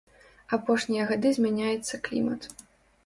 Апошнія гады змяняецца клімат.